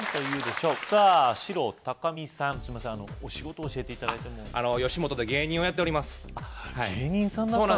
すいませんお仕事教えて頂いても吉本で芸人をやっております